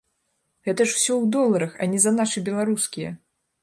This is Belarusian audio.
Гэта ж усё ў доларах, а не за нашы беларускія!